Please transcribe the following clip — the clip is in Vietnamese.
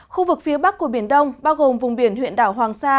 khu vực phía bắc của biển đông bao gồm vùng biển huyện đảo hoàng sa